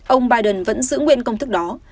ông biden vẫn giữ nguyên công thức đó